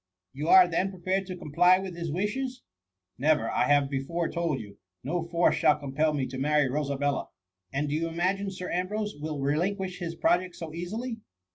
" You are then prepared to comply with his wishes ?" Never ! I have before* told you, no force shall compel me to marry Rosabella T And do you imagine Sir Ambrose will re linquish his project so easily